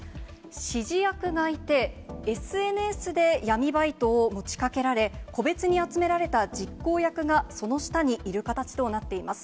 指示役がいて、ＳＮＳで闇バイトを持ちかけられ、個別に集められた実行役がその下にいる形となっています。